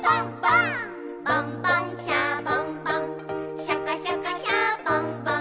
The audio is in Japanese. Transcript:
「ボンボン・シャボン・ボンシャカシャカ・シャボン・ボン」